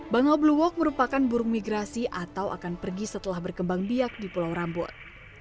bangau blue walk merupakan burung migrasi atau akan pergi setelah berkembang biak di pulau rambut